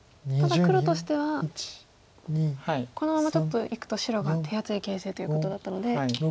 ただ黒としてはこのままちょっといくと白が手厚い形勢ということだったので。